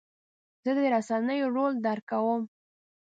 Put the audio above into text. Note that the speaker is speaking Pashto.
زه د رسنیو رول درک کوم.